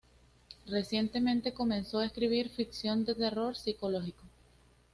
Recientemente comenzó a escribir ficción de terror psicológico.